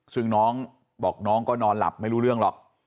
ซึ่งน้องบอกน้องก็นอนหลับไม่รู้เรื่องหรอก